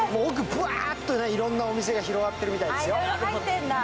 ぶわーっといろんなお店が広がっているみたいですよ。